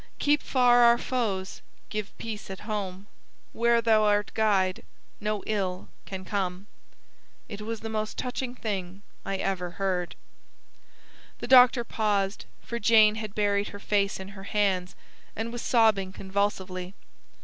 Keep far our foes; give peace at home; Where Thou art Guide, no ill can come.'" "It was the most touching thing I ever heard." The doctor paused, for Jane had buried her face in her hands and was sobbing convulsively.